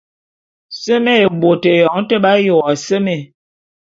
Seme bot, eyong te fe b’aye wo seme.